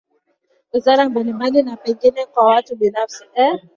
wizara mbalimbali na pengine kwa watu binafsi